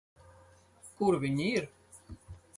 Kur viņi ir?